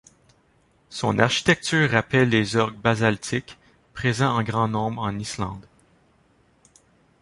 Son architecture rappelle les orgues basaltiques, présents en grand nombre en Islande.